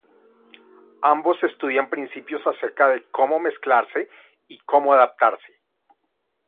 Ambos estudian principios acerca de cómo mezclarse y como adaptarse.